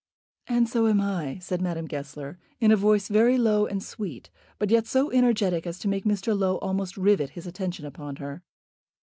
"And so am I," said Madame Goesler, in a voice very low and sweet, but yet so energetic as to make Mr. Low almost rivet his attention upon her.